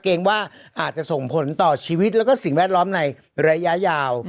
เกรงว่าอาจจะส่งผลต่อชีวิตแล้วก็สิ่งแวดล้อมในระยะยาว